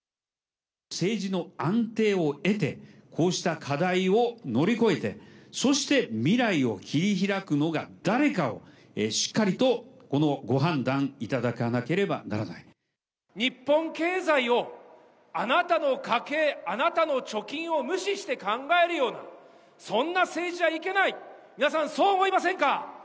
政治の安定を得て、こうした課題を乗り越えて、そして未来を切り開くのが誰かをしっかりと、このご判断いただか日本経済を、あなたの家計、あなたの貯金を無視して考えるような、そんな政治はいけない、皆さん、そう思いませんか。